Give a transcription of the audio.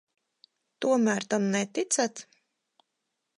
Tomēr tam neticat?